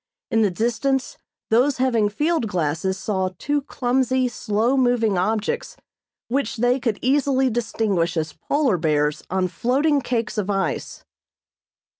In the distance those having field glasses saw two clumsy, slow moving objects which they could easily distinguish as polar bears on floating cakes of ice.